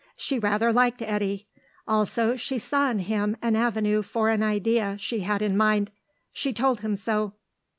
She rather liked Eddy; also she saw in him an avenue for an idea she had in mind. She told him so.